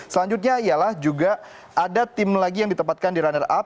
selanjutnya ialah juga ada tim lagi yang ditempatkan di runner up